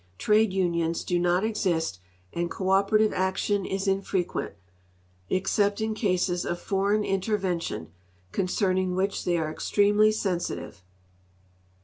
Trade unions do not exist and cooperative action is infrecjnent, except in cases of for eign intervention, concerning which they are extremely sensitive.